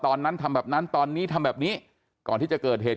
ตอนนั้นทำแบบนั้นตอนนี้ทำแบบนี้ก่อนที่จะเกิดเหตุ